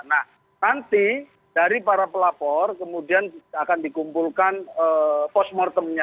nah nanti dari para pelapor kemudian akan dikumpulkan post mortemnya